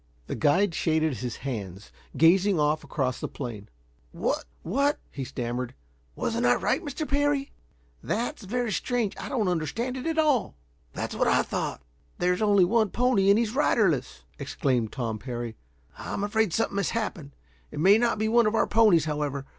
The guide shaded his hands, gazing off across the plain. "What what " he stammered. "Wasn't I right, Mr. Parry?" "That's very strange. I don't understand it at all." "That's what I thought." "There's only one pony and he's riderless," exclaimed Tom Parry. "I'm afraid something has happened. It may not be one of our ponies, however.